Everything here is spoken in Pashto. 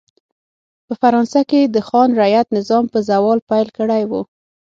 په فرانسه کې د خان رعیت نظام په زوال پیل کړی و.